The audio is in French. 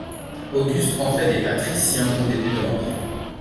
Auguste en fait des patriciens au début de l'Empire.